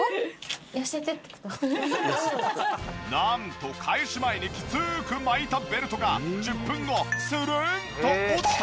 なんと開始前にきつく巻いたベルトが１０分後するんと落ちた！